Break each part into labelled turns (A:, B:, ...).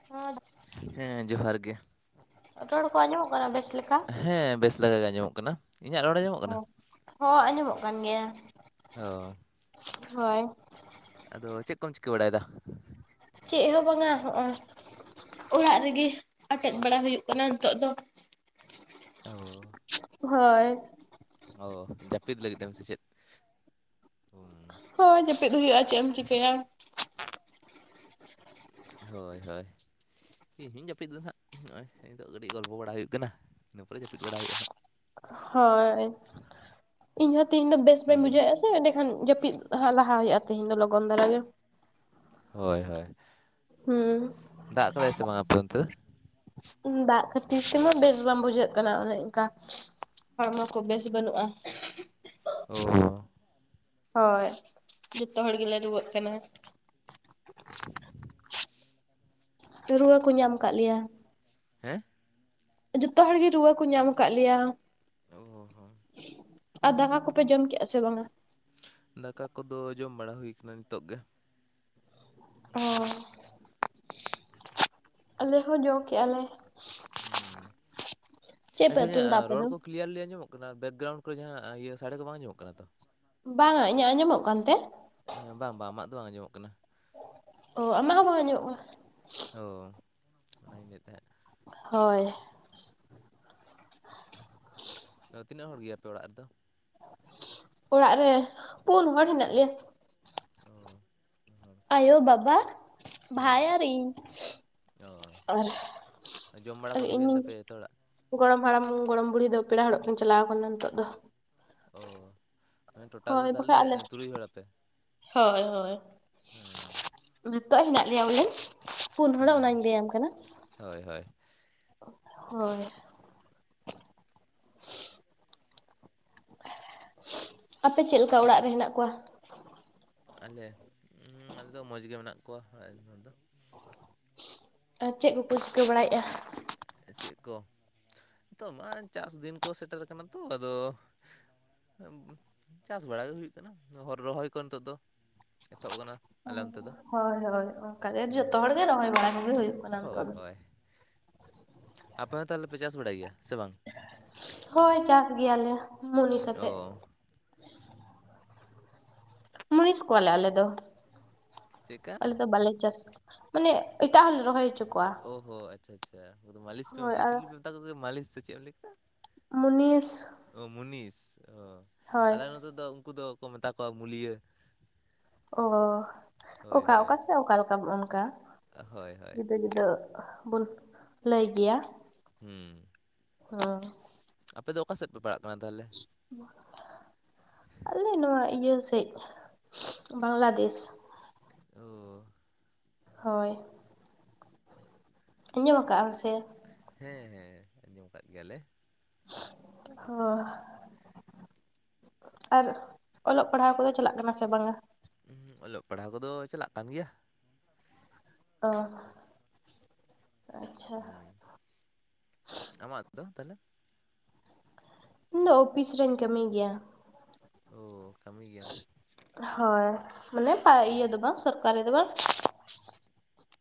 A: [inaudible]
B: ᱦᱮᱸ ᱡᱚᱦᱟᱨ ᱜᱮ
A: ᱨᱚᱲ ᱠᱚ ᱟᱸᱡᱚᱢᱚᱜ ᱠᱟᱱᱟ ᱵᱮᱥ ᱞᱮᱠᱟ?
B: ᱦᱮᱸ ᱵᱮᱥ ᱞᱟᱜ ᱟᱸ ᱧᱟᱢᱚᱜ ᱠᱟᱱᱟ᱾ ᱤᱧᱟᱹᱜ ᱨᱚᱲ ᱟᱸᱡᱚᱢᱚᱜ ᱠᱟᱱᱟ
A: ᱦᱚᱸ ᱦᱚᱸ ᱟᱸᱡᱚᱢᱚᱜ ᱠᱟᱱ ᱜᱮᱭᱟ᱾
B: ᱚ
A: ᱦᱳᱭ
B: ᱟᱫᱚ ᱪᱮᱫ ᱠᱚᱢ ᱪᱤᱠᱟᱹ ᱵᱟᱲᱟᱭᱮᱫᱟ?
A: ᱪᱮᱫ ᱦᱚᱸ ᱵᱟᱝᱟ ᱦᱚᱸᱜᱚᱭ ᱚᱲᱟᱜ ᱨᱮᱜᱮ ᱟᱴᱮᱫ ᱵᱟᱲᱟ ᱦᱩᱭᱩᱜ ᱠᱟᱱᱟ ᱱᱤᱛᱚᱜ ᱫᱚ
B: ᱚ
A: ᱦᱳᱭ
B: ᱚ ᱡᱟᱹᱯᱤᱫ ᱞᱟᱹᱜᱤᱫᱟ ᱮᱢ ᱥᱮᱪᱮᱫ? ᱵᱟᱝ
A: ᱦᱳᱭ ᱡᱟᱯᱤᱫ ᱦᱩᱭᱩᱜᱼᱟ ᱪᱮᱫ ᱮᱢ ᱪᱤᱠᱟᱹᱭᱟ
B: ᱦᱳᱭ ᱦᱳᱭ ᱤᱧᱦᱤᱧ ᱡᱟᱹᱯᱤᱫ ᱫᱟᱦᱟᱜ ᱦᱚᱜᱚᱭ ᱱᱤᱛᱚᱜ ᱠᱟᱹᱴᱤᱡ ᱜᱚᱞᱯᱚ ᱵᱟᱲᱟ ᱦᱩᱭᱩᱜ ᱠᱟᱱᱟ ᱤᱱᱟᱹ ᱯᱚᱨᱮ ᱡᱟᱹᱯᱤᱫ ᱵᱟᱲᱟ ᱦᱩᱭᱩᱜᱼᱟ ᱱᱟᱸᱜ
A: ᱦᱳᱭ ᱤᱧᱦᱚ ᱛᱮᱦᱤᱧ ᱫᱚ ᱵᱮᱥ ᱵᱟᱹᱧ
B: ᱦᱩᱸ
A: ᱵᱩᱡᱷᱟᱹᱣᱮᱜᱼᱟ ᱥᱮ ᱮᱰᱮᱠᱷᱟᱱ ᱡᱟᱹᱯᱤᱫ ᱦᱟᱸᱜ ᱞᱟᱦᱟ ᱦᱩᱭᱩᱜᱼᱟ ᱛᱮᱦᱤᱧ ᱫᱚ ᱞᱚᱜᱚᱱ ᱫᱷᱟᱨᱟ ᱜᱮ
B: ᱦᱳᱭ ᱦᱳᱭ ᱫᱟᱜ ᱠᱟᱫᱟᱭ ᱥᱮ ᱵᱟᱝ ᱟᱯᱮ ᱚᱱᱛᱮ?
A: ᱫᱟᱜ ᱠᱷᱟᱹᱛᱤᱨ ᱛᱮᱢᱟ ᱵᱮᱥ ᱵᱟᱝ ᱵᱩᱡᱷᱟᱹᱜ ᱠᱟᱱᱟ ᱚᱱᱮ ᱚᱱᱠᱟ ᱦᱚᱲᱢᱚ ᱠᱚ ᱵᱮᱥ ᱵᱟᱹᱱᱩᱜᱼᱟ᱾
B: ᱦᱚ
A: ᱦᱳᱭ ᱡᱚᱛᱚ ᱦᱚᱲ ᱜᱮᱞᱮ ᱨᱩᱣᱟᱹᱜ ᱠᱟᱱᱟ᱾
B: [inaudible]
A: ᱨᱩᱣᱟᱹ ᱠᱚ ᱧᱟᱢ ᱠᱟᱜ ᱞᱮᱭᱟ᱾
B: ᱦᱮᱸ
A: ᱡᱚᱛᱚ ᱦᱚᱲ ᱜᱮ ᱨᱩᱣᱟᱹ ᱠᱚ ᱧᱟᱢ ᱠᱟᱜ ᱞᱮᱭᱟ᱾
B: ᱚ ᱦᱚᱸ
A: ᱟᱨ ᱫᱟᱠᱟ ᱠᱚᱯᱮ ᱡᱚᱢ ᱠᱮᱜᱼᱟ ᱥᱮ ᱵᱟᱝᱟ?
B: ᱫᱟᱠᱟ ᱠᱚᱫᱚ ᱡᱚᱢ ᱵᱟᱲᱟ ᱦᱩᱭ ᱠᱟᱱᱟ ᱱᱤᱛᱚᱜ ᱜᱮ᱾
A: ᱚ ᱟᱞᱮ ᱦᱚᱸ ᱡᱚ ᱠᱮᱜᱟ ᱞᱮ
B: ᱦᱩᱸ
A: ᱪᱮᱫ ᱯᱮ
B: ᱟᱪᱪᱷᱟ
A: ᱩᱛᱩ
B: ᱤᱧᱟᱹᱜ
A: ᱞᱮᱫᱟ ᱟᱯᱮ
B: ᱨᱚᱲ
A: ᱫᱚ?
B: ᱠᱚ ᱠᱞᱤᱭᱟᱨ ᱞᱮᱟᱹᱭ ᱟᱸᱡᱚᱢᱚᱜ ᱠᱟᱱᱟ ᱵᱮᱠᱜᱨᱟᱣᱩᱱᱰ ᱠᱚᱨᱮ ᱡᱟᱦᱱᱟᱜ ᱤᱭᱟᱹ ᱥᱟᱹᱲᱤ ᱠᱚ ᱵᱟᱝ ᱟᱡᱚᱢᱚᱜ ᱠᱟᱱᱟ ᱛᱚ᱾
A: ᱵᱟᱝ ᱟ ᱤᱧᱟᱹᱜ ᱟᱸᱡᱚᱢᱚᱜ ᱠᱟᱱ ᱛᱮ?
B: ᱵᱟᱝ ᱵᱟᱝ ᱟᱢᱟᱜ ᱫᱚ ᱵᱟᱝ ᱟᱸᱡᱚᱢᱚᱜ ᱠᱟᱱᱟ ᱾
A: ᱚ ᱟᱢᱟᱜ ᱦᱚ ᱵᱟᱝ ᱟᱡᱚᱢ ᱠᱟᱱᱟ ᱾
B: ᱚ ᱚᱱᱟᱧ ᱞᱟᱹᱭᱮᱫ ᱛᱟᱦᱮᱸᱫ ᱾
A: ᱦᱚᱭ ᱾
B: ᱛᱤᱱᱟᱹᱜ ᱦᱚᱲ ᱜᱮᱭᱟ ᱯᱮ ᱚᱲᱟᱜ ᱨᱮᱫᱚ?
A: ᱚᱲᱟᱜ ᱨᱮ ᱯᱩᱱ ᱦᱚᱲ ᱦᱮᱱᱟᱜ ᱞᱮᱭᱟ ᱾
B: ᱚ ᱾
A: ᱟᱭᱚ ᱵᱟᱵᱟ ᱵᱟᱭ ᱟᱨ ᱤᱧ ᱟᱨ
B: ᱡᱚᱢ ᱵᱟᱲᱟ ᱠᱚᱫᱚ ᱦᱩᱭᱮᱱ
A: ᱤᱧᱤᱧ
B: ᱛᱟᱯᱮ ᱡᱚᱛᱚ ᱦᱚᱲᱟᱜ?
A: ᱜᱚᱲᱚᱢ ᱦᱟᱲᱟᱢ ᱜᱚᱲᱚᱢ ᱵᱩᱲᱦᱤ ᱫᱚ ᱯᱮᱲᱟ ᱦᱚᱲᱚᱜ ᱠᱤᱱ ᱪᱟᱞᱟᱣ ᱟᱠᱟᱱᱟ ᱱᱤᱛᱚᱜ ᱫᱚ ᱾
B: ᱚ ᱢᱟᱱᱮ ᱴᱚᱴᱟᱞ ᱫᱚ ᱛᱟᱦᱞᱮ ᱛᱩᱨᱩᱭ ᱦᱚᱲ ᱟᱯᱮ?
A: ᱦᱚᱭ ᱦᱚᱭ ᱱᱤᱛᱚᱜ ᱦᱮᱱᱟᱜ ᱞᱮᱭᱟ ᱵᱚᱞᱮ ᱾ ᱯᱩᱱ ᱦᱚᱲᱚᱜ
B: ᱦᱩᱸ
A: ᱚᱱᱟᱧ
B: ᱦᱩᱸ
A: ᱞᱟᱹᱭᱟᱢ ᱠᱟᱱᱟ
B: ᱦᱳᱭ ᱦᱳᱭ
A: ᱦᱚᱭ ᱾ ᱟᱯᱮ ᱪᱮᱫ ᱞᱮᱠᱟ ᱚᱲᱟᱜ ᱨᱮ ᱦᱮᱱᱟᱜ ᱠᱚᱣᱟ?
B: ᱟᱞᱮ ᱟᱞᱮ ᱫᱚ ᱢᱚᱡᱽ ᱜᱮ ᱢᱮᱱᱟᱜ ᱠᱚᱣᱟ ᱚᱲᱟᱜ [unintelligible]
A: ᱟᱨ ᱪᱮᱫ ᱠᱚᱠᱚ ᱪᱤᱠᱟᱹ ᱵᱟᱲᱟᱭᱮᱜᱼᱟ?
B: ᱪᱮᱫ ᱠᱚ ᱱᱤᱛᱚᱜ ᱢᱟ ᱪᱟᱥ ᱫᱤᱱ ᱠᱚ ᱥᱮᱴᱮᱨ ᱠᱟᱱᱟ ᱛᱚ ᱟᱫᱚ ᱪᱟᱥ ᱵᱟᱲᱟ ᱜᱮ ᱦᱩᱭᱩᱜ ᱠᱟᱱᱟ ᱦᱚᱨ ᱨᱚᱦᱚᱭ ᱠᱚ ᱱᱤᱛᱚᱜ ᱫᱚ ᱾ ᱮᱛᱚᱵ ᱟᱠᱟᱱᱟ ᱟᱞᱮ ᱚᱱᱛᱮ ᱫᱚ ᱾
A: ᱦᱚᱭ ᱦᱚᱭ ᱚᱱᱠᱟᱜᱮ ᱡᱚᱛᱚ ᱦᱚᱲᱜᱮ ᱨᱚᱦᱚᱭ ᱵᱟᱲᱟ ᱠᱚᱜᱮ ᱦᱩᱭᱩᱜ ᱠᱟᱱᱟ ᱱᱤᱛᱚᱜ
B: ᱦᱳᱭ
A: ᱫᱚ ᱾
B: ᱦᱳᱭ ᱟᱯᱮ ᱦᱚᱸ ᱛᱟᱦᱞᱮ ᱯᱮ ᱪᱟᱥ ᱵᱟᱲᱟᱭ ᱜᱮᱭᱟ ᱥᱮ ᱵᱟᱝ?
A: ᱦᱚᱭ ᱪᱟᱥ ᱜᱮᱭᱟᱞᱮ ᱢᱩᱱᱤᱥ
B: ᱚ
A: ᱟᱛᱮᱜ ᱾ ᱢᱩᱱᱤᱥ ᱠᱚᱣᱟᱞᱮ ᱟᱞᱮ ᱫᱚ
B: ᱪᱮᱫᱠᱟ
A: ᱟᱞᱮ ᱫᱚ ᱵᱟᱞᱮ ᱪᱟᱥ ᱢᱟᱱᱮ ᱮᱴᱟᱜ ᱦᱚᱞᱮ ᱨᱚᱦᱚᱭ ᱦᱚᱪᱚ ᱠᱚᱣᱟ ᱾
B: ᱚ ᱦᱚ ᱟᱪᱪᱷᱟ ᱟᱪᱪᱷᱟ ᱩᱱᱠᱩ ᱫᱚ ᱢᱟᱹᱞᱤᱥ ᱯᱮ ᱢᱮᱛᱟ
A: ᱟᱨ
B: ᱪᱤᱞᱤ ᱯᱮ ᱢᱮᱛᱟ ᱠᱚ ᱜᱮᱭᱟ ᱢᱟᱹᱞᱤᱥ ᱥᱮ ᱪᱮᱫ ᱮᱢ ᱞᱟᱹᱭ ᱠᱮᱫᱟ?
A: ᱢᱩᱱᱤᱥ ᱾
B: ᱚ ᱢᱩᱱᱤᱥ ᱚ ᱟᱞᱮ ᱱᱚᱛᱮ ᱫᱚ ᱩᱱᱠᱩ ᱫᱚ ᱠᱚ ᱢᱮᱛᱟ ᱠᱚᱣᱟ ᱢᱩᱞᱤᱭᱟᱹ ᱾
A: ᱚ
B: ᱦᱳᱭ
A: ᱚᱠᱟ
B: ᱦᱳᱭ
A: ᱚᱠᱟ ᱥᱮᱫ ᱚᱠᱟ ᱞᱮᱠᱟ ᱚᱱᱠᱟ
B: ᱦᱳᱭ ᱦᱳᱭ
A: ᱡᱩᱫᱟᱹ ᱡᱩᱫᱟᱹ ᱟᱫᱚ ᱵᱚᱱ ᱞᱟᱹᱭ ᱜᱮᱭᱟ ᱾
B: ᱦᱩᱸ ᱾
A: ᱦᱚᱭ ᱾
B: ᱟᱯᱮ ᱫᱚ ᱚᱠᱟ ᱥᱮᱫ ᱯᱮ ᱯᱟᱲᱟᱜ ᱠᱟᱱᱟ ᱛᱟᱦᱞᱮ?
A: ᱟᱞᱮ ᱱᱚᱣᱟ ᱤᱭᱟᱹ ᱥᱮᱫ ᱵᱟᱝᱞᱟᱫᱮᱥ ᱾
B: ᱚ
A: ᱦᱚᱭ ᱾ ᱟᱸᱡᱚᱢ ᱠᱟᱜᱼᱟᱢ?
B: ᱦᱮᱸ ᱦᱮᱸ ᱟᱸᱡᱚᱢ ᱟᱠᱟᱫ ᱜᱮᱭᱟᱞᱮ ᱾
A: ᱦᱚ ᱾ ᱟᱨ ᱚᱞᱚᱜ ᱯᱟᱲᱦᱟᱣ ᱠᱚᱫᱚ ᱪᱟᱞᱟᱜ ᱠᱟᱱᱟ ᱥᱮ ᱵᱟᱝᱟ?
B: ᱚᱞᱚᱜ ᱯᱟᱲᱦᱟᱣ ᱠᱚᱫᱚ ᱪᱟᱞᱟᱜ ᱠᱟᱱ ᱜᱮᱭᱟ ᱾
A: ᱚ ᱟᱪᱪᱷᱟ
B: ᱦᱩᱸ ᱟᱢᱟᱜ ᱫᱚ ᱛᱟᱦᱚᱞᱮ
A: ᱤᱧ ᱫᱚ ᱚᱯᱷᱤᱥ ᱨᱮᱧ ᱠᱟᱹᱢᱤ ᱜᱮᱭᱟ ᱾
B: ᱚ ᱠᱟᱹᱢᱤ ᱜᱮᱭᱟᱢ ᱾
A: ᱦᱚᱭ ᱢᱟᱱᱮ
B: ᱦᱩᱸ
A: ᱤᱭᱟᱹ ᱫᱚ ᱵᱟᱝ ᱥᱚᱨᱠᱟᱨᱤ ᱫᱚ ᱵᱟᱝ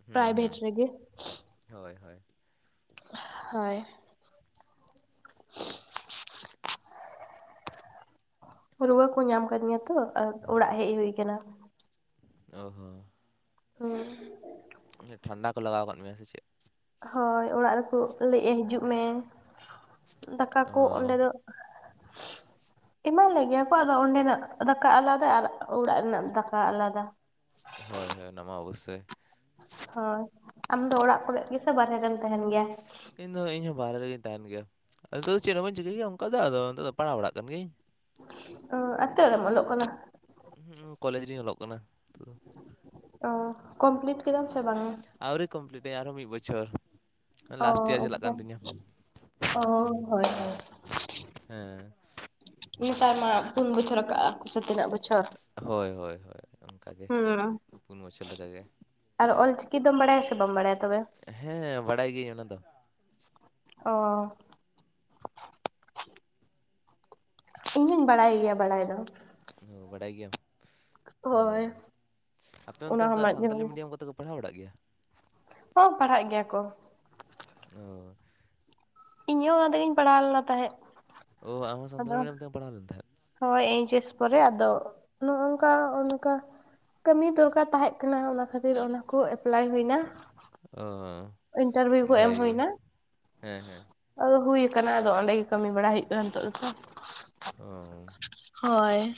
B: ᱦᱮᱸ
A: ᱯᱨᱟᱭᱵᱷᱮᱴ
B: ᱦᱩᱸ
A: ᱨᱮᱜᱮ
B: ᱦᱳᱭ ᱦᱳᱭ
A: ᱦᱳᱭ ᱨᱩᱣᱟᱹ ᱠᱚ ᱧᱟᱢ ᱟᱠᱟᱫᱤᱧᱟ ᱛᱚ ᱚᱲᱟᱜ ᱦᱮᱡ ᱦᱩᱭ ᱠᱟᱱᱟ
B: ᱚ ᱦᱚ
A: ᱦᱩᱸ
B: ᱴᱷᱟᱱᱰᱟ ᱠᱚ ᱞᱟᱜᱟᱣ ᱠᱟᱫ ᱢᱮᱭᱟ ᱥᱮ ᱪᱮᱫ?
A: ᱦᱳᱭ ᱚᱲᱟᱜ ᱨᱮᱠᱚ ᱞᱟᱹᱭᱮᱜᱼᱟ ᱦᱤᱡᱩᱜ ᱢᱮ ᱫᱟᱠᱟ ᱠᱚ ᱚᱸᱰᱮ
B: ᱚ
A: ᱫᱚ ᱮᱢᱟ ᱞᱮ ᱜᱮᱭᱟ ᱠᱚ ᱟᱫᱚ ᱚᱸᱰᱮ ᱱᱟᱜ ᱫᱟᱠᱟ ᱟᱞᱟᱫᱟ ᱟᱨ ᱚᱲᱟᱜ ᱨᱮᱱᱟᱜ ᱫᱟᱠᱟ ᱟᱞᱟᱫᱟ
B: ᱦᱳᱭ ᱦᱳᱭ ᱚᱱᱟᱢᱟ ᱚᱵᱚᱥᱥᱳᱭ
A: ᱦᱳᱭ, ᱟᱢ ᱫᱚ ᱚᱲᱟᱜ ᱠᱚᱨᱮ ᱜᱮᱥᱮ ᱵᱟᱦᱨᱮ ᱨᱮᱢ ᱛᱟᱦᱮᱱ ᱜᱮᱭᱟ?
B: ᱤᱧᱫᱚ ᱤᱧ ᱦᱚᱸ ᱵᱟᱦᱨᱮ ᱨᱮᱜᱮᱧ ᱛᱟᱦᱮᱱ ᱜᱮᱭᱟ ᱟᱫᱚ ᱱᱤᱛᱚᱜ ᱫᱚ ᱪᱮᱜ ᱦᱚᱸ ᱵᱟᱹᱧ ᱪᱤᱠᱟᱹᱭ ᱜᱮᱭᱟ ᱚᱝᱠᱟ ᱫᱚ ᱟᱫᱚ ᱱᱤᱛᱚᱜ ᱫᱚ ᱯᱟᱲᱦᱟᱣ ᱵᱟᱲᱟᱜ ᱠᱟᱱ ᱜᱤᱭᱟᱹᱧ
A: ᱚ ᱟᱨ ᱛᱟᱹᱜ ᱨᱮᱢ ᱚᱞᱚᱜ ᱠᱟᱱᱟ?
B: ᱠᱚᱞᱮᱡᱽ ᱨᱤᱧ ᱚᱞᱚᱜ ᱠᱟᱱᱟ
A: ᱚ ᱠᱚᱢᱯᱞᱤᱴ ᱠᱮᱫᱟᱢ ᱥᱮ ᱵᱟᱝ-ᱟ?
B: ᱟᱹᱣᱨᱤ ᱠᱚᱢᱯᱞᱤᱴᱟᱹᱧ ᱟᱨᱦᱚᱸ ᱢᱤᱜ ᱵᱚᱪᱷᱚᱨ ᱞᱟᱥᱴ ᱤᱭᱟᱨ ᱪᱟᱞᱟᱜ ᱠᱟᱱ ᱛᱤᱧᱟᱹ
A: ᱚᱣ ᱦᱚᱭ ᱦᱚᱭ
B: ᱦᱮᱸ
A: ᱱᱮᱛᱟᱨ ᱢᱟ ᱯᱩᱱ ᱵᱚᱪᱷᱚᱨ ᱠᱟᱜᱼᱟᱠᱚ ᱥᱮ ᱛᱤᱱᱟᱹᱜ ᱵᱚᱪ?
B: ᱦᱚᱭ ᱦᱚᱭ ᱦᱚᱭ ᱚᱝᱠᱟ ᱜᱮ ᱯᱩᱱ ᱵᱚᱪᱷᱚᱨ ᱞᱮᱠᱟᱜᱮ
A: ᱟᱫᱚ ᱚᱞᱪᱤᱠᱤ ᱫᱚᱢ ᱵᱟᱰᱟᱭᱟ ᱥᱮ ᱵᱟᱢ ᱵᱟᱰᱟᱭᱟ ᱛᱚᱵᱮ?
B: ᱦᱮᱸ ᱵᱟᱲᱟᱭ ᱜᱤᱭᱟᱹᱧ ᱚᱱᱟ ᱫᱚ
A: ᱚᱻ ᱤᱧ ᱦᱩᱧ ᱵᱟᱲᱟᱭ ᱜᱮᱭᱟ ᱵᱟᱲᱟᱭ ᱫᱚ
B: ᱚ ᱵᱟᱰᱟᱭ ᱜᱮᱭᱟᱢ ᱦᱩᱸ
A: ᱦᱳᱭ
B: ᱟᱯᱮ ᱚᱱᱛᱮ
A: ᱚᱱᱟ ᱦᱚᱸ
B: ᱚᱝᱠᱟ
A: ᱢᱟᱡᱷᱮ
B: ᱥᱟᱱᱛᱟᱞᱤ ᱢᱤᱰᱤᱭᱟᱹᱢ ᱠᱚᱛᱮ ᱠᱚ ᱯᱟᱲᱦᱟᱣ ᱵᱟᱲᱟᱜ ᱜᱮᱭᱟ?
A: ᱦᱚᱸ ᱯᱟᱲᱦᱟᱜ ᱜᱮᱭᱟ ᱠᱚ
B: ᱚᱻ
A: ᱤᱧᱦᱚᱸ ᱚᱱᱟ ᱛᱮᱜᱤᱧ ᱯᱟᱲᱦᱟᱣ ᱞᱮᱱᱟ ᱛᱟᱦᱮᱸᱜ
B: ᱚ ᱟᱢ ᱦᱚᱸ ᱥᱟᱱᱛᱟᱞᱤ ᱢᱤᱰᱭᱟᱹᱢ ᱛᱮᱜᱮᱢ ᱯᱟᱲᱦᱟᱣ ᱞᱮᱱ ᱛᱟᱦᱮᱸᱫ?
A: ᱦᱚᱭ ᱮᱭᱤᱪ ᱮᱥ ᱯᱚᱨᱮ ᱟᱫᱚ ᱱᱚᱜᱼᱱᱚᱝᱠᱟ ᱚᱱ ᱚᱝᱠᱟ ᱠᱟᱹᱢᱤ ᱫᱚᱨᱠᱟᱨ ᱛᱟᱦᱮᱸᱜ ᱠᱟᱱᱟ ᱚᱱᱟ ᱠᱷᱟᱹᱛᱤᱨ ᱚᱱᱟ ᱠᱚ ᱮᱯᱞᱟᱭ ᱦᱩᱭᱱᱟ
B: ᱚᱻ
A: ᱤᱱᱴᱟᱨᱵᱤᱣᱩ ᱠᱚ ᱮᱢ ᱦᱩᱭᱱᱟ
B: ᱦᱮᱸ ᱦᱮᱸ
A: ᱟᱫᱚ ᱦᱩᱭ ᱟᱠᱟᱱᱟ ᱟᱫᱚ ᱚᱸᱰᱮ ᱜᱮ ᱠᱟᱹᱢᱤ ᱵᱟᱲᱟ ᱦᱩᱭᱩᱜᱼᱠᱟᱱᱟ ᱱᱤᱛᱚᱜ ᱫᱚᱛᱚ
B: ᱚᱻ
A: ᱦᱚᱭ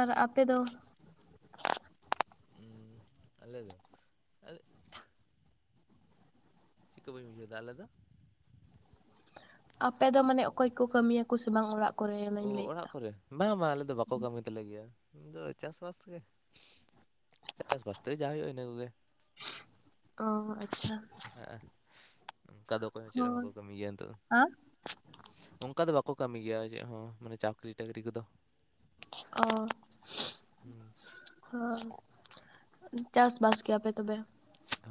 A: ᱟᱨ ᱟᱯᱮ ᱫᱚ?
B: ᱦᱩᱸ ᱪᱤᱜ ᱠᱚ ᱵᱟᱹᱧ ᱵᱩᱡᱫᱟ ᱟᱞᱮ ᱫᱚ
A: ᱟᱯᱮ ᱫᱚ ᱢᱟᱱᱮ ᱚᱠᱚᱭ ᱠᱩ ᱠᱟᱹᱢᱤᱭᱟᱠᱚ ᱥᱮ ᱵᱟᱝ ᱚᱲᱟᱜ ᱠᱚᱨᱮ
B: ᱚ
A: ᱚᱱᱟᱧ
B: ᱚᱲᱟᱜ
A: ᱞᱟᱹᱭᱮᱫᱼᱟ
B: ᱠᱚᱨᱮ ᱵᱟᱝ ᱵᱟᱝ ᱟᱞᱮ ᱫᱚ ᱵᱟᱠᱚ ᱠᱟᱹᱢᱤ ᱛᱟᱞᱮ ᱜᱮᱭᱟ ᱱᱚᱣᱟ ᱪᱟᱥ-ᱵᱟᱥ ᱜᱮ ᱪᱟᱥ ᱵᱟᱥᱛᱮ ᱡᱟ ᱦᱩᱭᱩᱜᱼᱟ ᱤᱱᱟᱹ ᱠᱚᱜᱮ
A: ᱚᱻ ᱟᱪᱪᱷᱟ
B: ᱦᱮᱸ ᱚᱝᱠᱟ ᱫᱚ ᱚᱠᱚᱭ ᱦᱚᱸ ᱪᱮᱫ ᱦᱚᱸ
A: ᱦᱳᱭ
B: ᱵᱟᱠᱚ ᱠᱟᱹᱢᱤ ᱜᱮᱭᱟ ᱱᱤᱛᱚᱜ
A: ᱟᱸ
B: ᱚᱝᱠᱟ ᱫᱚ ᱵᱟᱠᱚ ᱠᱟᱢᱤ ᱜᱮᱭᱟ ᱪᱮᱫ ᱦᱚᱸ ᱢᱟᱱᱮ ᱪᱟᱠᱨᱤ-ᱴᱟᱠᱨᱤ ᱠᱚᱫᱚ
A: ᱚ [inaudible]
B: ᱦᱩᱸ
A: [unintelligible] ᱪᱟᱥ ᱵᱟᱥ ᱠᱮᱭᱟ ᱯᱮ ᱛᱚᱵᱮ?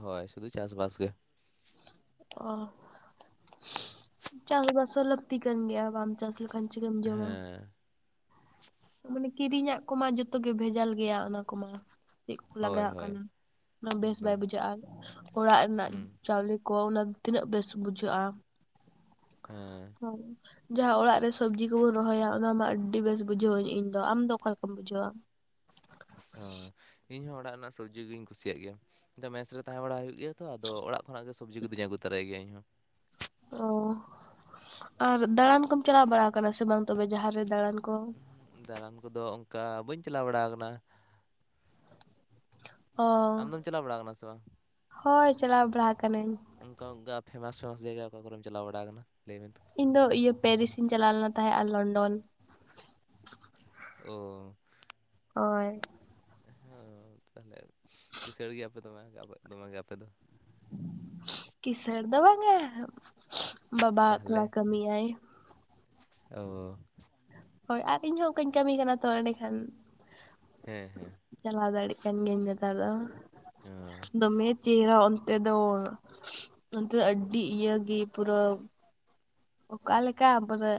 B: ᱦᱚᱭ ᱥᱩᱫᱩ ᱪᱟᱥ-ᱵᱟᱥ ᱜᱮ
A: ᱚ ᱪᱟᱥ-ᱵᱟᱥ ᱦᱚᱸ ᱞᱟᱹᱠᱛᱤ ᱠᱟᱱ ᱜᱮᱭᱟ ᱵᱟᱢ ᱪᱟᱥ ᱞᱮᱠᱷᱟᱱ ᱪᱤᱠᱟᱹᱢ ᱡᱚᱢᱟ
B: ᱦᱮᱸ
A: ᱢᱟᱱᱮ ᱠᱤᱨᱤᱧᱟᱜ ᱠᱚᱢᱟ ᱡᱚᱛᱚ ᱜᱮ ᱵᱷᱮᱡᱟᱞ ᱜᱮᱭᱟ ᱚᱱᱟ ᱠᱚᱢᱟ ᱪᱮᱫ ᱠᱚᱠᱚ
B: ᱦᱳᱭ
A: ᱞᱟᱜᱟᱣᱟᱜ
B: ᱦᱳᱭ
A: ᱠᱟᱱᱟ ᱚᱱᱟ ᱵᱮᱥ
B: ᱮᱠᱫᱚᱢ
A: ᱵᱟᱭ ᱵᱩᱡᱷᱟᱹᱜᱼᱟ, ᱚᱲᱟᱜ ᱨᱮᱱᱟᱜ
B: ᱦᱩᱸ
A: ᱪᱟᱣᱞᱮ ᱠᱚ ᱚᱱᱟ ᱫᱚ ᱛᱤᱱᱟᱹᱜ ᱵᱮᱥ ᱵᱩᱡᱷᱟᱹᱜᱼᱟ
B: ᱦᱮᱸ
A: ᱦᱚᱭ ᱡᱟᱦᱟᱸ ᱚᱲᱟᱜ ᱨᱮ ᱥᱚᱵᱽᱡᱤ ᱠᱚᱵᱚᱱ ᱨᱚᱦᱚᱭᱟ ᱚᱱᱟ ᱢᱟ ᱟᱹᱰᱤ ᱵᱮᱥ ᱵᱩᱡᱷᱟᱹᱣᱟᱹᱧ ᱤᱧ ᱫᱚ ᱟᱢ ᱫᱚ ᱚᱠᱟ ᱞᱮᱠᱟᱢ ᱵᱩᱡᱷᱟᱹᱣᱼᱟ?
B: [unintelligible] ᱤᱧ ᱦᱚᱸ ᱚᱲᱟᱜ ᱨᱮᱱᱟᱜ ᱥᱚᱵᱽᱡᱤ ᱜᱤᱧ ᱠᱩᱥᱤᱭᱟᱜ ᱜᱮᱭᱟ ᱫᱚ ᱢᱮᱥ ᱨᱮ ᱛᱟᱦᱮᱸ ᱵᱟᱲᱟ ᱦᱩᱭᱩᱜ ᱜᱮᱭᱟ ᱛᱚ ᱟᱫᱚ ᱚᱲᱟᱜ ᱠᱷᱚᱱᱟᱜ ᱜᱮ ᱥᱚᱵᱡᱤ ᱠᱩᱫᱚᱩᱧ ᱟᱹᱜᱩ ᱛᱟᱨᱟᱭ ᱜᱮᱭᱟ ᱤᱧᱦᱚᱸ
A: ᱚ ᱟᱨ ᱫᱟᱲᱟᱱ ᱠᱚᱢ ᱪᱟᱞᱟᱣ ᱵᱟᱲᱟ ᱠᱟᱱᱟ ᱥᱮ ᱵᱟᱝ ᱛᱚᱵᱮ ᱡᱟᱦᱟᱸ ᱨᱮ ᱫᱟᱲᱟᱱ ᱠᱚ?
B: ᱫᱟᱬᱟᱱ ᱠᱚᱫᱚ ᱚᱝᱠᱟ ᱵᱟᱹᱧ ᱪᱟᱞᱟᱣ ᱵᱟᱲᱟ ᱠᱟᱱᱟ
A: ᱚ
B: ᱟᱢᱫᱚᱢ ᱪᱟᱞᱟᱣ ᱵᱟᱲᱟ ᱟᱠᱟᱱᱟ ᱥᱮ ᱵᱟᱝ
A: ᱦᱚᱭ ᱪᱟᱞᱟᱣ ᱵᱟᱲᱟ ᱟᱠᱟᱱᱟᱹᱧ
B: ᱚᱝᱠᱟ ᱚᱱᱠᱟ ᱯᱷᱮᱢᱟᱥ ᱯᱷᱮᱢᱟᱥ ᱡᱟᱭᱜᱟ ᱚᱠᱟ ᱠᱚᱨᱮᱢ ᱪᱟᱞᱟᱣ ᱵᱟᱲᱟ ᱠᱟᱱᱟ ᱞᱟᱹᱭ ᱵᱤᱱ ᱛᱚ?
A: ᱤᱧ ᱫᱚ ᱤᱭᱟᱹ ᱯᱮᱨᱤᱥ ᱤᱧ ᱪᱟᱞᱟᱣ ᱞᱮᱱᱟ ᱛᱟᱦᱮᱸᱫ ᱟᱨ ᱞᱚᱱᱰᱚᱱ
B: ᱳ
A: ᱦᱳᱭ
B: ᱦᱮᱸ ᱛᱟᱦᱚᱞᱮ ᱠᱤᱥᱟᱹᱲ ᱜᱮᱭᱟᱯᱮ ᱫᱚᱢᱮ ᱫᱚᱢᱮ ᱜᱮ ᱟᱯᱮ ᱫᱚ
A: ᱠᱤᱥᱟᱹᱬ ᱫᱚ ᱵᱟᱝᱟ ᱵᱟᱵᱟ
B: ᱛᱟᱦᱚᱞᱮ
A: ᱛᱷᱚᱲᱟ ᱠᱟᱹᱢᱤᱭᱟᱭ
B: ᱳ
A: ᱦᱳᱭ ᱟᱨ ᱤᱧᱦᱚᱸ ᱚᱱᱠᱟᱧ ᱠᱟᱹᱢᱤ ᱠᱟᱱᱟ ᱛᱚ ᱮᱸᱰᱮᱠᱷᱟᱱ
B: ᱦᱮᱸ ᱦᱮᱸ
A: ᱪᱟᱞᱟᱣ ᱫᱟᱲᱮᱜ ᱠᱟᱱ ᱜᱤᱭᱟᱹᱧ ᱱᱮᱛᱟᱨ ᱫᱚ
B: [unintelligible]
A: ᱫᱚᱢᱮ ᱪᱮᱦᱨᱟ ᱚᱱᱛᱮ ᱫᱚ ᱚᱱᱛᱮ ᱫᱚ ᱟᱹᱰᱤ ᱤᱭᱟᱹ ᱜᱮ ᱯᱩᱨᱟᱹ ᱚᱠᱟ ᱞᱮᱠᱟ ᱯᱩᱨᱟᱹ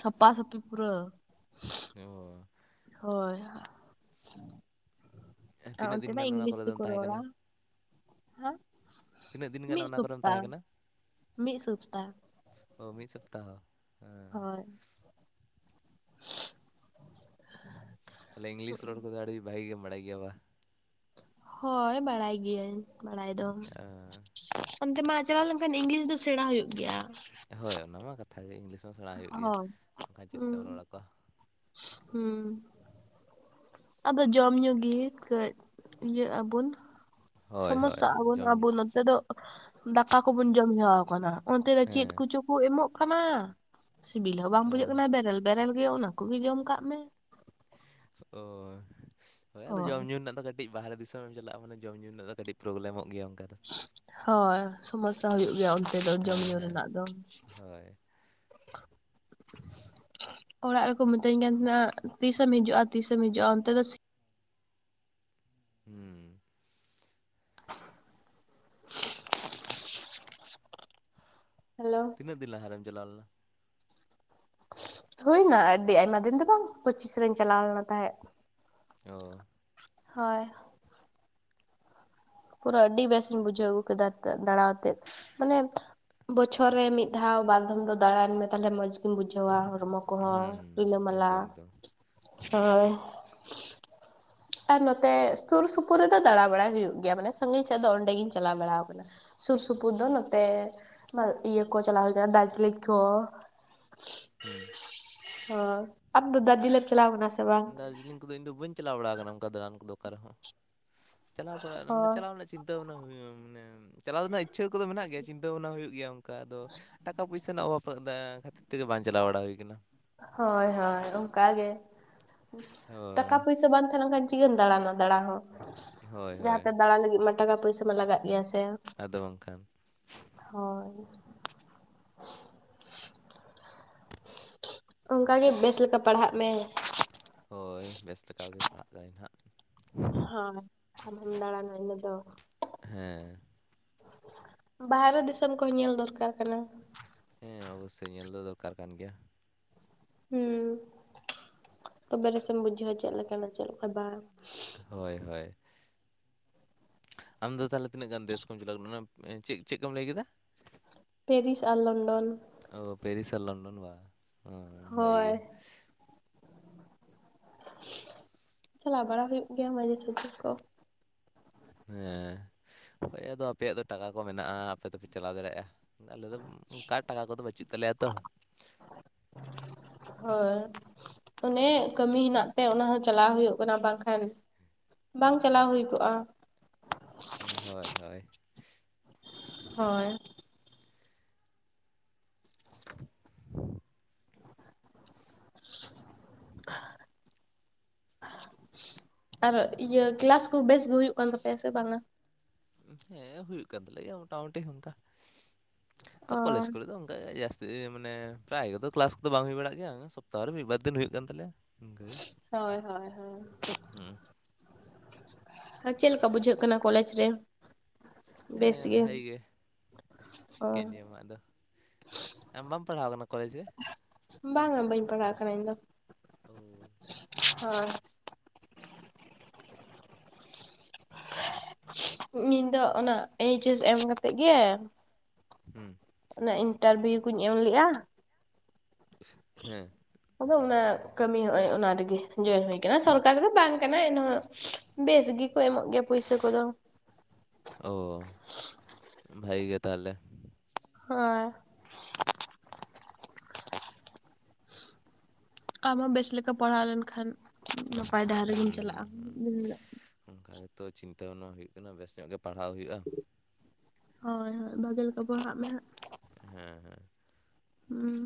A: ᱥᱟᱯᱟ ᱥᱟᱹᱯᱤ ᱯᱩᱨᱟᱹ
B: ᱚ
A: ᱦᱳᱭ
B: [unintelligible]
A: ᱟᱨ
B: ᱛᱤᱱᱟᱹᱜ
A: ᱚᱱᱛᱮ
B: ᱫᱤᱱ
A: ᱢᱟ
B: ᱜᱟᱱ ᱚᱱᱟ ᱠᱚᱨᱮ ᱫᱚᱢ ᱛᱟᱦᱮᱸ ᱠᱟᱱᱟ?
A: ᱦᱚᱸ
B: ᱛᱤᱱᱟᱹᱜ ᱫᱤᱱ ᱜᱟᱱ
A: ᱢᱤᱫ
B: ᱚᱱᱟ ᱠᱚᱨᱮᱢ
A: ᱥᱚᱯᱛᱟ,
B: ᱛᱟᱦᱮᱸ ᱠᱟᱱᱟ
A: ᱢᱤᱫ ᱥᱚᱯᱛᱟ
B: ᱚ ᱢᱤᱫ ᱥᱚᱯᱛᱟᱦᱚ ᱦᱮᱸ
A: ᱦᱳᱭ
B: ᱛᱟᱦᱞᱮ ᱤᱝᱞᱤᱥ ᱨᱚᱲ ᱠᱚᱫᱚ ᱟᱹᱰᱤ ᱵᱷᱟᱹᱜᱤ ᱜᱮᱢ ᱵᱟᱰᱟᱭ ᱜᱮᱭᱟ ᱵᱟ?
A: ᱦᱳᱭ ᱵᱟᱲᱟᱭ ᱜᱤᱭᱟᱹᱧ ᱵᱟᱲᱟᱭ ᱫᱚ ᱚᱱᱛᱮ ᱢᱟ ᱪᱟᱞᱟᱣ ᱞᱮᱱᱠᱷᱟᱱ ᱤᱝᱞᱤᱥ ᱫᱚ ᱥᱮᱬᱟ ᱦᱩᱭᱩᱜ ᱜᱮᱭᱟ᱾
B: ᱦᱳᱭ ᱚᱱᱟᱢᱟ ᱠᱟᱛᱷᱟᱜ ᱜᱮ ᱤᱝᱞᱤᱥ ᱢᱟ ᱥᱮᱬᱟ ᱦᱩᱭᱩᱜ ᱜᱮᱭᱟ,
A: ᱦᱳᱭ
B: ᱵᱟᱠᱷᱟᱱ ᱪᱮᱫ
A: ᱦᱩᱸ
B: ᱛᱮᱢ ᱨᱚᱲ ᱟᱠᱚᱣᱟ᱾
A: ᱦᱩᱸ ᱟᱫᱚ ᱡᱚᱢ ᱧᱩ ᱜᱮ ᱠᱟᱹᱡ ᱤᱭᱟᱹᱜ ᱟᱵᱩᱱ
B: ᱦᱳᱭ ᱦᱳᱭ
A: ᱥᱚᱢᱚᱥᱥᱟ
B: ᱦᱳᱭ
A: ᱟᱵᱚᱱ
B: ᱡᱚᱢ
A: ᱟᱵᱚ
B: ᱧᱩ
A: ᱱᱚ ᱱᱚᱛᱮ ᱫᱚ ᱫᱟᱠᱟ ᱠᱚᱵᱚᱱ ᱡᱚᱢ ᱦᱮᱣᱟ ᱠᱟᱱᱟ ᱚᱱᱛᱮ ᱫᱚ ᱪᱮᱫ
B: ᱦᱮᱸ
A: ᱠᱚᱪᱚ ᱠᱩ ᱮᱢᱚᱜ ᱠᱟᱱᱟ᱾ ᱥᱤᱵᱤᱞ ᱦᱚᱸ ᱵᱟᱝ
B: ᱚ
A: ᱵᱩᱡᱷᱟᱹᱜ ᱠᱟᱱᱟ ᱵᱮᱨᱮᱞ ᱵᱮᱨᱮᱞ ᱜᱮ ᱚᱱᱟᱠᱚᱜᱮ ᱡᱚᱢ ᱠᱟᱜ ᱢᱮ᱾
B: ᱚ ᱦᱳᱭ ᱟᱫᱚ ᱡᱚᱢ ᱧᱩ ᱨᱮᱱᱟᱜ ᱫᱚ ᱠᱟᱹ ᱴᱤᱡ ᱵᱟᱦᱨᱮ ᱫᱤᱥᱚᱢ ᱮᱢ ᱪᱟᱞᱟᱜᱼᱟ ᱢᱟᱱᱮ ᱡᱚᱢ ᱧᱩ ᱨᱮᱱᱟᱜ ᱫᱚ ᱠᱟᱹᱴᱤᱡ ᱯᱨᱚᱜᱞᱮᱢᱚᱜ ᱜᱮᱭᱟ ᱚᱱᱠᱟ ᱫᱚ
A: ᱦᱚᱭ ᱥᱚᱢᱚᱥᱥᱟ ᱦᱩᱭᱩᱜ ᱜᱮᱭᱟ ᱚᱱᱛᱮ ᱫᱚ ᱡᱚᱢ
B: ᱦᱮᱸ
A: ᱧᱩ
B: ᱦᱮᱸ
A: ᱨᱮᱱᱟᱜ ᱫᱚ ᱾
B: ᱦᱳᱭ
A: [inaudible]
B: [inaudible]
A: ᱚᱲᱟᱜ ᱨᱮᱠᱚ ᱢᱤᱛᱟᱹᱧ ᱠᱟᱱ ᱛᱟᱦᱮᱱᱟ ᱛᱤᱥᱮᱢ ᱦᱤᱡᱩᱜᱼᱟ ᱛᱤᱥᱮᱢ ᱦᱤᱡᱩᱜᱼᱟ ᱚᱱᱛᱮ ᱫᱚ
B: ᱦᱩᱸ ᱾
A: ᱦᱟᱞᱚ ᱾
B: ᱛᱤᱱᱟᱹᱜ ᱫᱤᱱ ᱞᱟᱦᱟᱨᱮᱢ ᱪᱟᱞᱟᱣ ᱞᱮᱱᱟ?
A: ᱦᱩᱭᱱᱟ ᱟᱹᱰᱤ ᱟᱭᱢᱟ ᱫᱤᱱ ᱫᱚ ᱵᱟᱝ ᱯᱚᱪᱤᱥ ᱨᱤᱧ ᱪᱟᱞᱟᱣ ᱞᱮᱱᱟ ᱛᱟᱦᱮᱸᱫ ᱾
B: ᱚ
A: ᱦᱚᱭ ᱾ ᱯᱩᱨᱟᱹ ᱟᱹᱰᱤ ᱵᱮᱥᱤᱧ ᱵᱩᱡᱷᱟᱹᱣ ᱟᱹᱜᱩ ᱠᱮᱫᱟ ᱫᱟᱬᱟᱛᱮ ᱢᱟᱱᱮ ᱵᱚᱪᱷᱚᱨ ᱨᱮ ᱢᱤᱫ ᱫᱷᱟᱣ ᱵᱟᱨᱫᱚᱢ ᱫᱚ ᱫᱟᱲᱟᱱ ᱢᱮ ᱛᱟᱦᱚᱞᱮ ᱢᱚᱸᱡᱽ ᱜᱮᱢ ᱵᱩᱡᱷᱟᱹᱣᱟ ᱦᱚᱲᱢᱚ ᱠᱚᱦᱚᱸ
B: ᱦᱩᱸ
A: ᱨᱤᱞᱟᱹᱢᱟᱞᱟ
B: ᱮᱠᱫᱚᱢ ᱮᱠᱫᱚᱢ
A: ᱦᱚᱭ ᱾ ᱟᱨ ᱱᱚᱛᱮ ᱥᱩᱨ ᱥᱩᱯᱩᱨ ᱨᱮᱫᱚ ᱫᱟᱬᱟ ᱵᱟᱲᱟᱭ ᱦᱩᱭᱩᱜ ᱜᱮᱭᱟ ᱢᱟᱱᱮ ᱥᱟᱺᱜᱤᱧ ᱥᱮᱜ ᱫᱚ ᱚᱸᱰᱮ ᱜᱤᱧ ᱪᱟᱞᱟᱣ ᱵᱟᱲᱟ ᱟᱠᱟᱱᱟ ᱾ ᱥᱩᱨ ᱥᱩᱯᱩᱨ ᱫᱚ ᱱᱚᱛᱮ ᱤᱭᱟᱹ ᱠᱚ ᱪᱟᱞᱟᱣ ᱦᱩᱭ ᱠᱟᱱᱟ ᱫᱟᱨᱡᱤᱞᱤᱝ ᱠᱚ ᱾ [inaudible]
B: ᱦᱩᱸ ᱾
A: ᱚ ᱟᱢ ᱫᱚ ᱫᱟᱨᱡᱤᱞᱤᱝ ᱪᱞᱟᱣ ᱠᱟᱱᱟ ᱥᱮ? ᱵᱟᱝ
B: ᱫᱟᱨᱡᱤᱞᱤᱝ ᱠᱚᱫᱚ ᱤᱧᱫᱚ ᱵᱟᱹᱧ ᱪᱟᱞᱟᱣ ᱵᱟᱲᱟ ᱟᱠᱟᱱᱟ ᱚᱱᱠᱟ ᱫᱟᱲᱟᱱ ᱠᱚᱫᱚ ᱚᱠᱟᱨᱮ ᱦᱚᱸ ᱾ ᱪᱟᱞᱟᱣ ᱯᱟᱲᱟᱜ ᱢᱟᱱᱮ
A: ᱦᱳᱭ
B: ᱪᱟᱞᱟᱣ ᱨᱮᱱᱟᱜ ᱪᱤᱱᱛᱟᱹ ᱢᱟᱱᱮ ᱪᱟᱞᱟᱣ ᱨᱮᱱᱟᱜ ᱤᱪᱪᱷᱟᱹ ᱠᱚᱫᱚ ᱢᱮᱱᱟᱜ ᱜᱮᱭᱟ ᱪᱤᱱᱛᱟᱹ ᱵᱷᱟᱵᱱᱟ ᱦᱩᱭᱩᱜ ᱜᱮᱭᱟ ᱚᱱᱠᱟ ᱟᱫᱚ ᱴᱟᱠᱟ ᱯᱩᱭᱥᱟ ᱨᱮᱱᱟᱜ ᱚᱵᱷᱟᱵᱽ [unintelligible] ᱠᱷᱟᱹᱛᱤᱨ ᱛᱮᱜᱮ ᱵᱟᱝ ᱪᱟᱞᱟᱣ ᱵᱟᱲᱟ ᱦᱩᱭ‌ ᱟᱠᱟᱱᱟ ᱾
A: ᱦᱚᱭ ᱦᱚᱭ ᱚᱱᱠᱟ ᱜᱮ ᱴᱟᱠᱟ ᱯᱩᱭᱥᱟ ᱵᱟᱝ ᱛᱟᱦᱚᱞᱮ ᱠᱷᱟᱱ ᱪᱤᱠᱟᱹᱢ ᱫᱟᱬᱟᱱᱟ ᱫᱟᱬᱟ ᱦᱚᱸ
B: ᱦᱳᱭ ᱦᱳᱭ
A: ᱡᱟᱦᱟᱸᱛᱮ ᱫᱟᱬᱟ ᱞᱟᱹᱜᱤᱫ ᱢᱟ ᱴᱟᱠᱟ ᱯᱩᱭᱥᱟ ᱢᱟ ᱞᱟᱜᱟᱜ ᱜᱮᱭᱟ ᱥᱮ ᱾
B: ᱟᱫᱚ ᱵᱟᱝᱠᱷᱟᱱ ᱾
A: ᱦᱚᱭ ᱾ ᱚᱱᱠᱟ ᱜᱮ ᱵᱮᱥ ᱞᱮᱠᱟ ᱯᱟᱲᱦᱟᱜ ᱢᱮ ᱾
B: ᱦᱚᱭ ᱵᱮᱥ ᱞᱮᱠᱟᱜᱮ ᱯᱟᱲᱦᱟᱜ ᱠᱟᱱᱟ ᱱᱟᱦᱟᱜ ᱾
A: ᱦᱟᱸ ᱟᱢᱦᱚᱸᱢ ᱫᱟᱬᱟᱱᱟ ᱤᱱᱟᱹᱜ ᱫᱚ ᱾
B: ᱦᱮᱸ
A: ᱵᱟᱦᱚᱨᱮ ᱫᱤᱥᱚᱢ ᱠᱚᱦᱚᱸ ᱧᱮᱞ ᱫᱚᱨᱠᱟᱨ ᱠᱟᱱᱟ ᱾
B: ᱦᱮᱸ ᱚᱵᱚᱥᱥᱚᱭ ᱧᱮᱞ ᱫᱚ ᱫᱚᱨᱠᱟᱨ ᱠᱟᱱ ᱜᱮᱭᱟ ᱾
A: ᱦᱩᱸ ᱛᱚᱵᱮ ᱨᱮᱥᱮᱢ ᱵᱩᱡᱷᱟᱹᱣᱟ ᱪᱮᱫ ᱞᱮᱠᱟᱱᱟᱜ ᱪᱮᱫ ᱞᱮᱠᱟ ᱵᱟᱝ ᱾
B: ᱦᱚᱭ ᱦᱚᱭ ᱾ ᱟᱢᱫᱚ ᱛᱟᱦᱚᱞᱮ ᱛᱤᱱᱟᱹᱜ ᱜᱟᱱ ᱫᱮᱥ ᱠᱚᱢ ᱪᱟᱞᱟᱣ ᱪᱮᱫ ᱪᱮᱫ ᱠᱚᱢ ᱞᱟᱹᱭ ᱠᱮᱫᱟ?
A: ᱯᱮᱨᱤᱥ ᱟᱨ ᱞᱚᱱᱰᱚᱱ ᱾
B: ᱚ ᱯᱮᱨᱤᱥ ᱟᱨ ᱞᱚᱱᱰᱚᱱ ᱵᱟ ᱵᱷᱟᱹᱜᱤ
A: ᱦᱳᱭ
B: ᱜᱮ ᱾
A: ᱪᱟᱞᱟᱣ ᱵᱟᱲᱟ ᱦᱩᱭᱩᱜ ᱜᱮᱭᱟ ᱢᱟᱡᱷᱮ ᱥᱟᱡᱷᱮ ᱠᱚ ᱾
B: ᱦᱮᱸ ᱟᱯᱮᱭᱟᱜ ᱫᱚ ᱴᱟᱠᱟ ᱠᱚ ᱢᱮᱱᱟᱜᱼᱟ ᱟᱯᱮ ᱫᱚᱯᱮ ᱪᱟᱞᱟᱣ ᱫᱟᱲᱮᱭᱟᱜᱼᱟ᱾ ᱟᱞᱮ ᱫᱚ ᱚᱱᱠᱟ ᱴᱟᱠᱟ ᱠᱚᱫᱚ ᱵᱟᱹᱪᱩᱜ ᱛᱟᱞᱮᱭᱟ ᱛᱚ ᱾
A: ᱦᱚᱭ ᱾ ᱚᱱᱮ ᱠᱟᱹᱢᱤ ᱦᱮᱱᱟᱜ ᱛᱮ ᱚᱱᱟ ᱦᱚᱸ ᱪᱟᱞᱟᱣ ᱦᱩᱭᱩᱜ ᱠᱟᱱᱟ ᱵᱟᱝ ᱠᱷᱟᱱ ᱵᱟᱝ ᱪᱟᱞᱟᱣ ᱦᱩᱭ ᱠᱚᱜᱼᱟ ᱾
B: ᱦᱮᱸ ᱦᱚᱭ ᱦᱚᱭ ᱾
A: ᱦᱚᱭ ᱾
B: [unintelligible]
A: ᱟᱨ ᱤᱭᱟ. ᱠᱞᱟᱥ ᱠᱚ ᱵᱮᱥ ᱜᱮ ᱦᱩᱭᱩᱜ ᱠᱟᱱ ᱛᱟᱯᱮᱭᱟ ᱥᱮ ᱵᱟᱝᱟ
B: ᱦᱮᱸ ᱦᱩᱭᱩᱜ ᱠᱟᱱ ᱛᱟᱞᱮᱭᱟ ᱢᱚᱴᱟ ᱢᱩᱴᱤ ᱚᱱᱠᱟ ᱠᱚᱞᱮᱡᱽ
A: ᱚ
B: ᱠᱚᱨᱮ ᱫᱚ ᱚᱱᱠᱟᱜ ᱡᱟᱹᱥ ᱢᱟᱱᱮ ᱯᱨᱟᱭᱜᱮᱛᱚ ᱠᱞᱟᱥ ᱠᱚ ᱫᱚ ᱵᱟᱝ ᱦᱩᱭ ᱵᱟᱲᱟᱜ ᱜᱮᱭᱟ ᱥᱚᱯᱛᱟᱦᱚᱨ ᱨᱮ ᱢᱤᱫᱵᱟᱨ ᱫᱤᱱ ᱦᱩᱭᱩᱜ ᱠᱟᱱ ᱛᱟᱞᱮᱭᱟ ᱾
A: ᱦᱳᱹᱭ ᱦᱳᱹᱭ ᱦᱳᱹᱭ᱾
B: ᱦᱩᱸ ᱾
A: ᱪᱮᱫ ᱞᱮᱠᱟ ᱵᱩᱡᱷᱟᱹᱜ ᱠᱟᱱᱟ ᱠᱚᱞᱮᱡᱽ ᱨᱮ ᱾
B: ᱦᱮᱸ ᱵᱷᱟᱜᱤ ᱜᱮ ᱾
A: ᱚ
B: ᱪᱤᱠᱟᱹᱧ ᱞᱟᱹᱭᱟ ᱢᱟ ᱟᱫᱚ ᱟᱢ ᱵᱟᱢ ᱯᱟᱲᱦᱟᱣ ᱟᱠᱟᱱᱟ ᱠᱚᱞᱮᱡᱽ ᱨᱮ ᱾
A: ᱵᱟᱝᱟ ᱵᱟᱹᱧ ᱯᱟᱲᱦᱟᱜ ᱠᱟᱱᱟ ᱤᱧᱫᱚ ᱾
B: ᱚᱸᱻ
A: ᱦᱳᱹᱭ ᱾ ᱤᱧ ᱫᱚ ᱚᱱᱟ ᱮᱭᱤᱪᱮᱥ ᱮᱢ ᱠᱟᱛᱮᱫ ᱜᱮ ᱾
B: ᱦᱩᱸ ᱾
A: ᱚᱱᱟ ᱤᱱᱴᱟᱨᱵᱷᱤᱭᱩ ᱠᱩᱧ ᱮᱢᱞᱟᱜᱼᱟ ᱾
B: ᱦᱮᱸ ᱾
A: ᱟᱫᱚ ᱚᱱᱟ ᱠᱟᱹᱢᱤ ᱦᱚᱸᱚᱭ ᱚᱱᱟ ᱨᱮᱜᱮ ᱡᱚᱭᱮᱱ ᱦᱩᱭ ᱠᱟᱱᱟ ᱥᱚᱨᱠᱟᱨᱤ ᱫᱚ ᱵᱟᱝ ᱾ ᱠᱟᱱᱟ ᱮᱱᱦᱚᱸ ᱵᱮᱥ ᱜᱮ ᱠᱚ ᱮᱢᱚᱜ ᱜᱮᱭᱟ ᱯᱩᱭᱥᱟᱹ ᱠᱚ ᱫᱚ ᱾
B: ᱚᱸ ᱵᱷᱟᱜᱤ ᱜᱮ ᱛᱟᱦᱚᱞᱮ ᱾
A: ᱦᱳᱭ ᱟᱢᱦᱚᱸ ᱵᱮᱥ ᱞᱮᱠᱟ ᱯᱟᱲᱦᱟᱣ ᱞᱮᱱᱠᱷᱟᱱ ᱱᱟᱯᱟᱭ ᱰᱟᱦᱟᱨ ᱨᱮᱜᱤᱢ
B: ᱦᱩᱸ ᱦᱩᱸ
A: ᱪᱟᱞᱟᱜᱼᱟ ᱾
B: ᱦᱩᱸ ᱚᱱᱠᱟ ᱜᱮ ᱛᱚ ᱪᱤᱱᱛᱟᱹ ᱵᱷᱟᱱᱟ ᱦᱳᱭᱳᱜ ᱠᱟᱱᱟ ᱵᱮᱥ ᱧᱚᱜ ᱜᱮ ᱯᱟᱲᱦᱟᱣ ᱦᱩᱭᱩᱜᱼᱟ᱾
A: ᱦᱳᱹᱭ ᱦᱳᱹᱭ ᱵᱟᱜᱮᱞᱮᱠᱟ ᱯᱟᱲ ᱦᱟᱜ ᱢᱮᱦᱟᱸᱜ ᱾
B: ᱦᱮᱸ ᱦᱮᱸ᱾
A: ᱦᱩᱸ᱾